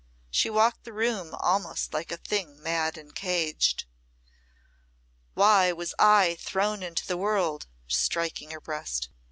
She walked the room almost like a thing mad and caged. "Why was I thrown into the world?" striking her breast.